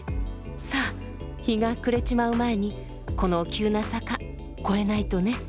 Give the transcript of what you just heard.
さあ日が暮れちまう前にこの急な坂越えないとね。